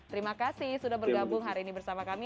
terima kasih sudah bergabung hari ini bersama kami